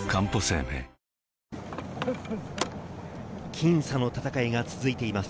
僅差の戦いが続いています。